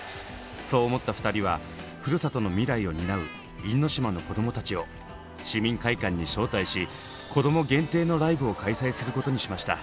そう思った２人はふるさとの未来を担う因島の子どもたちを市民会館に招待し子ども限定のライブを開催することにしました。